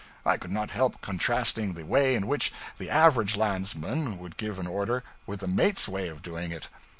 I could not help contrasting the way in which the average landsman would give an order, with the mate's way of doing it.